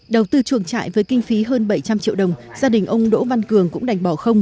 đầu tư chuồng trại với kinh phí hơn bảy trăm linh triệu đồng gia đình ông đỗ văn cường cũng đành bỏ không